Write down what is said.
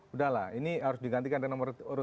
udahlah ini harus digantikan dari nomor